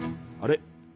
あれ？